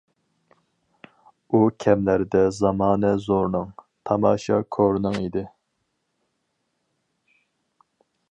ئۇ كەملەردە زامانە زورنىڭ، تاماشا كورنىڭ ئىدى.